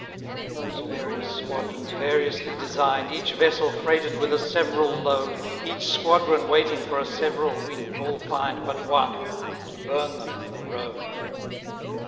205 Those various squadrons variously design'd, Each vessel freighted with a several load, Each squadron waiting for a several wind, All find but one, to burn them in the road.